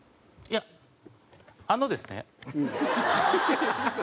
いやあのですね。